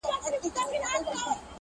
o پر ښوتلوار، پر بدو تامل.